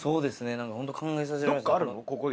何かホント考えさせられます。